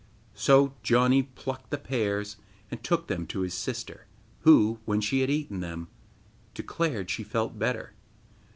So Janni plucked the pears and took them to his sister, who, when she had eaten them, declared she felt better.